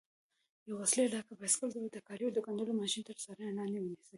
یوه وسیله لکه بایسکل یا د کالیو ګنډلو ماشین تر څارنې لاندې ونیسئ.